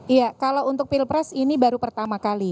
iya kalau untuk pilpres ini baru pertama kali